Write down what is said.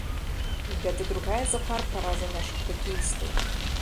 Гэта другая запар параза нашых хакеістаў.